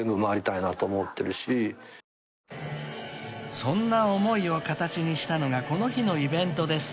［そんな思いを形にしたのがこの日のイベントです］